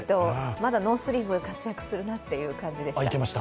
まだノースリーブ活躍するなという感じでした。